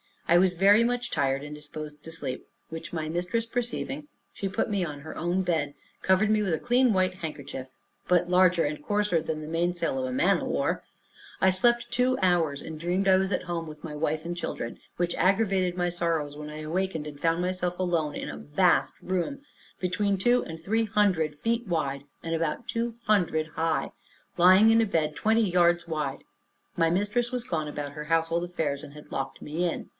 I was very much tired and disposed to sleep, which my mistress perceiving, she put me on her own bed, covered me with a clean white handkerchief, but larger and coarser than the mainsail of a man of war. I slept about two hours, and dreamed I was at home with my wife and children, which aggravated my sorrows when I awaked, and found myself alone, in a vast room, between two and three hundred feet wide, and about two hundred high, lying in a bed twenty yards wide. My mistress was gone about her household affairs, and had locked me in.